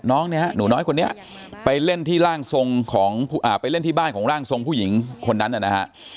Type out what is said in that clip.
น้องเนี่ยหนูน้อยคนนี้ไปเล่นที่ร่างทรงของไปเล่นที่บ้านของร่างทรงผู้หญิงคนนั้นนะฮะ